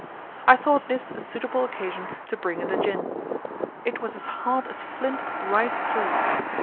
I thought this a suitable occasion to bring in the gin. It was as hard as flint right through.